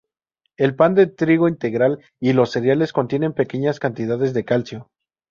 El pan de trigo integral y los cereales contienen pequeñas cantidades de calcio.